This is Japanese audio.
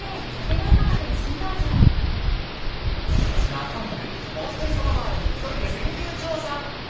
中丸、おひとり様バーに１人で潜入調査。